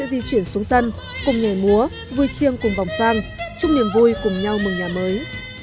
bà con sẽ di chuyển xuống sân cùng nhảy múa vui chiêng cùng vòng sang chúc niềm vui cùng nhau mừng nhà mới